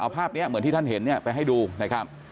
เอาภาพนี้เหมือนที่ท่านเห็นเนี่ยไปให้ดูนะครับ